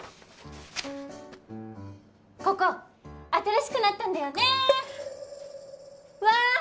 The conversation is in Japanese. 「ここ新しくなったんだよねー」